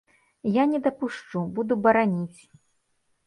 Я не дапушчу, буду бараніць.